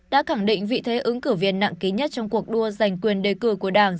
đã khẳng định vị thế ứng cử viên nặng ký nhất trong cuộc đua giành quyền đề cử của đảng